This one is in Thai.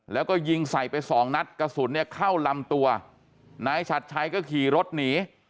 แล้วก็ยิงใส่ไปสองนัดกระสุนเนี่ยเข้าลำตัวนายฉัดชัยก็ขี่รถหนี